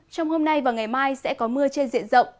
trong hôm nay và ngày mai sẽ có mưa trên diện rộng